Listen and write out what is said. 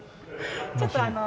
ちょっとあの。